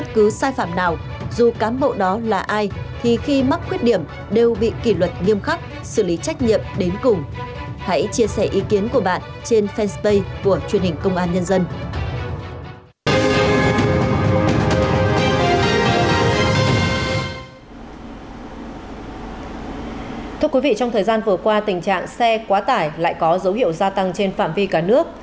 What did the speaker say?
thưa quý vị trong thời gian vừa qua tình trạng xe quá tải lại có dấu hiệu gia tăng trên phạm vi cả nước